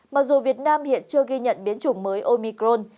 mặc dù việt nam hiện chưa ghi nhận biến chủng mới omicron